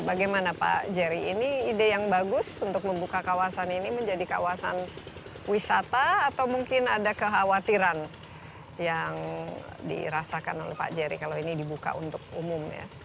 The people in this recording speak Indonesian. bagaimana pak jerry ini ide yang bagus untuk membuka kawasan ini menjadi kawasan wisata atau mungkin ada kekhawatiran yang dirasakan oleh pak jerry kalau ini dibuka untuk umum ya